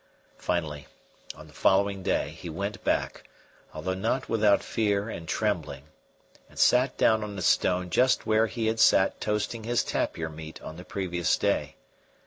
Finally, on the following day, he went back, although not without fear and trembling, and sat down on a stone just where he had sat toasting his tapir meat on the previous day.